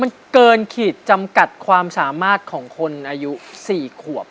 มันเกินขีดจำกัดความสามารถของคนอายุ๔ขวบ